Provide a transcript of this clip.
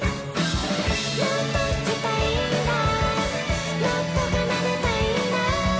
「もっと弾きたいんだもっと奏でたいんだ」